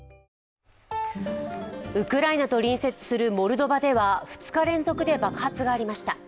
ウクライナと隣接するモルドバでは２日連続で爆発がありました。